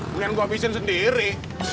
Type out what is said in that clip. lagi yang gue habisin sendiri